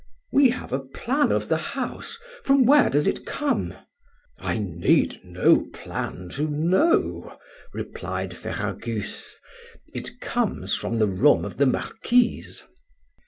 "We have a plan of the house; from where does it come?" "I need no plan to know," replied Ferragus; "it comes from the room of the Marquise."